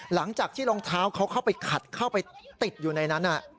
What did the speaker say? หลังจากที่รองเท้าเขาเข้าไปขัดเข้าไปติดอยู่ในนั้น